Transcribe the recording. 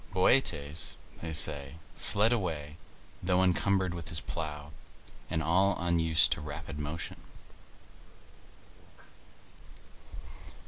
Bootes, they say, fled away, though encumbered with his plough, and all unused to rapid motion.